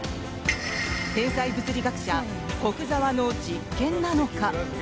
天才物理学者・古久沢の実験なのか？